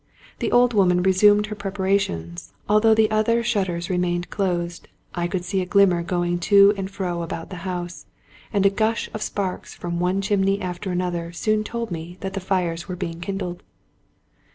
The old woman resumed her preparations; although the other shutters remained closed, I could see a glimmer going to and fro about the house; and a gush of sparks from one chimney after another soon told me that the fires were be ing kindled.